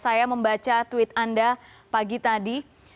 saya membaca tweet anda pagi tadi